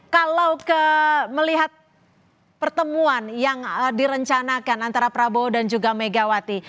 kalau melihat pertemuan yang direncanakan antara prabowo dan juga megawati